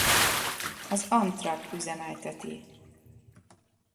Az Amtrak üzemelteti.